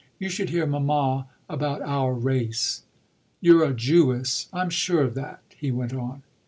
You should hear mamma about our 'race.'" "You're a Jewess I'm sure of that," he went on.